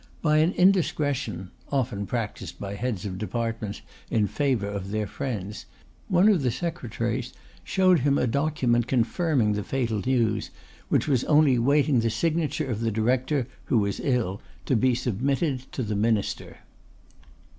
By an indiscretion (often practised by heads of departments in favor of their friends) one of the secretaries showed him a document confirming the fatal news, which was only waiting the signature of the director, who was ill, to be submitted to the minister.